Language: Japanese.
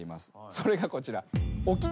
それがこちら。